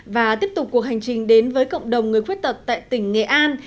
và tiếp tục cuộc hành trình đến với cộng đồng người khuyết tật tại tỉnh nghệ an